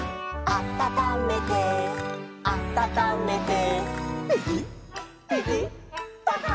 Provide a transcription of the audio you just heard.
「あたためてあたためて」